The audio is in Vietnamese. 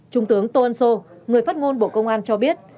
trung tướng tô ân sô người phát ngôn bộ công an cho biết